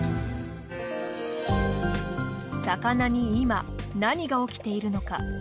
魚に今何が起きているのか。